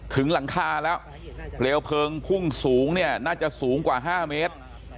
ถึงหลังคาแล้วเปลวเพลิงพุ่งสูงเนี่ยน่าจะสูงกว่า๕เมตร